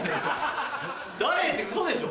誰ってウソでしょ？